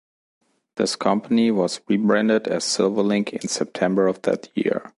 This company was re-branded as Silverlink in September of that year.